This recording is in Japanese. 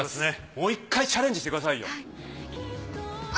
もう一回チャレンジしてくださいよ。